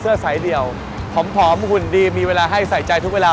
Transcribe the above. สายเดี่ยวผอมหุ่นดีมีเวลาให้ใส่ใจทุกเวลา